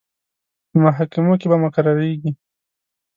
په محاکمو کې به مقرریږي.